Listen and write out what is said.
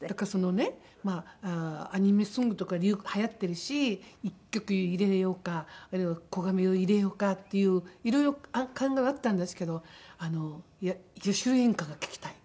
だからそのねアニメソングとかはやってるし１曲入れようかあるいは古賀メロを入れようかっていういろいろ考えはあったんですけど八代演歌が聴きたいっていう。